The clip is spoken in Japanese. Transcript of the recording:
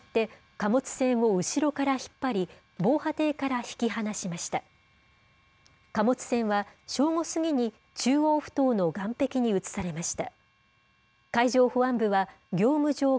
貨物船は、正午過ぎに中央ふ頭の岸壁に移されました。